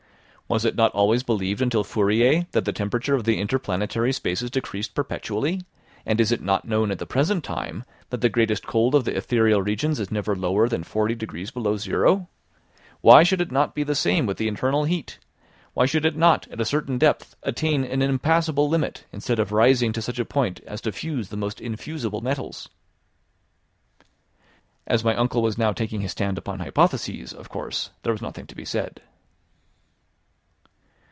Was it not always believed until Fourier that the temperature of the interplanetary spaces decreased perpetually? and is it not known at the present time that the greatest cold of the ethereal regions is never lower than 40 degrees below zero Fahr.? Why should it not be the same with the internal heat? Why should it not, at a certain depth, attain an impassable limit, instead of rising to such a point as to fuse the most infusible metals?" As my uncle was now taking his stand upon hypotheses, of course, there was nothing to be said.